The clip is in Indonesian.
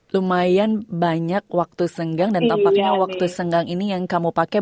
lumayan banyak waktu senggang dan tampaknya waktu senggang ini yang kamu pakai